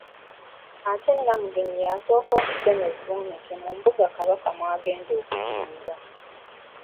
Ate Namuguzi y'asooka okutema evvuunike mu mbuga Kabaka wagenda okuzimba.